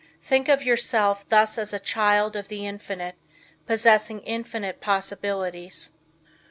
Think of yourself thus as a child of the infinite, possessing infinite possibilities.